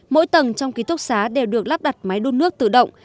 mỗi tầng trong ký túc xá đều được lắp đặt máy đun nước tự động